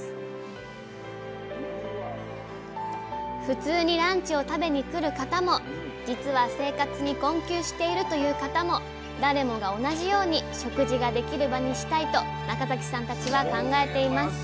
⁉普通にランチを食べに来る方も実は生活に困窮しているという方も誰もが同じように食事ができる場にしたいと中崎さんたちは考えています